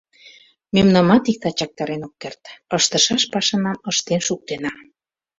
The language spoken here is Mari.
Мемнамат иктат чактарен ок керт: ыштышаш пашанам ыштен шуктена.